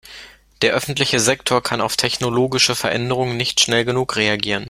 Der öffentliche Sektor kann auf technologische Veränderungen nicht schnell genug reagieren.